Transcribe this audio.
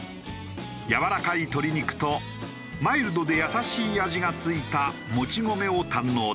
やわらかい鶏肉とマイルドで優しい味が付いたもち米を堪能できる。